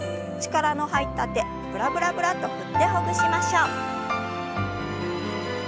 力の入った手ブラブラブラッと振ってほぐしましょう。